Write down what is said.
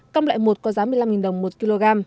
căm loại một có giá một mươi năm đồng một kg